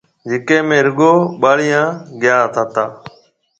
جڪَي ۾ رُگو ٻاليان گيا ھتا۔